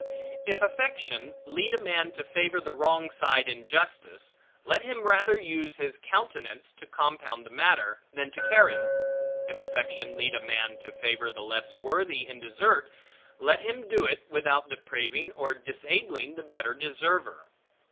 If affection lead a man to favor the wrong side in justice, let him rather use his countenance to compound the matter, than to carry it. If affection lead a man to favor the less worthy in desert, let him do it, without depraving or disabling the better deserver.